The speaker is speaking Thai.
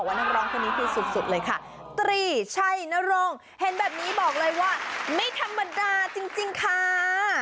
บอกว่านานรองชานี้คือสุดเลยค่ะตรีช่ายนารงแม่งแบบนี้บอกเลยว่าไม่ธรรมดาจริงค่า